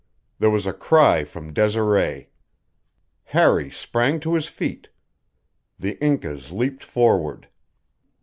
There was a cry from Desiree. Harry sprang to his feet. The Incas leaped forward.